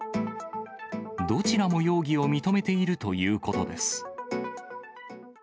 どちらも容疑を認めているということです。